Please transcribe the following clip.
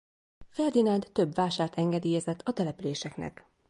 Ferdinánd több vásárt engedélyezett a településnek.